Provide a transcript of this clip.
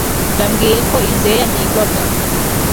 Yambwiye ko inzu ye yahigwaga